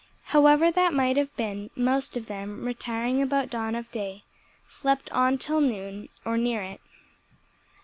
However that may have been, most of them, retiring about dawn of day, slept on till noon, or near it.